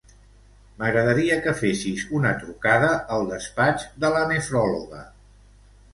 M'agradaria que fessis una trucada al despatx de la nefròloga.